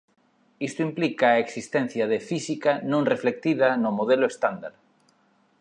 Isto implica a existencia de física non reflectida no Modelo Estándar.